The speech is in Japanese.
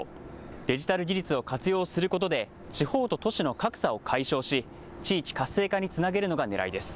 デジタル技術を活用することで地方と都市の格差を解消し地域活性化につなげるのがねらいです。